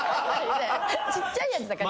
ちっちゃいやつだから。